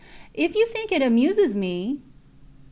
If you think it amuses me .